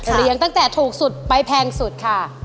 ตั้งแต่ถูกสุดไปแพงสุดค่ะ